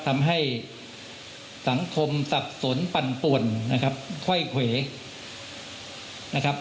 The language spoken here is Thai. ทำให้สังคมสับสนปั่นป่วนนะครับค่อยเขวนะครับ